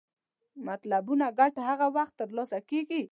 مطلوبه ګټه هغه وخت تر لاسه کیږي چې شرایط موجود وي.